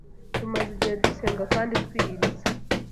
Tumaze igihe dusenga kandi twiyiriza